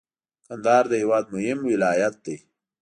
کندهار د هیواد مهم ولایت دی.